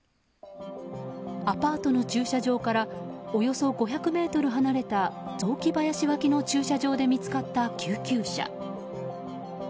アパートの駐車場からおよそ５００ｍ離れた雑木林脇の駐車場で見つかった救急車。